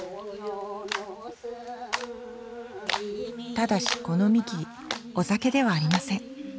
ただしこのみきお酒ではありません。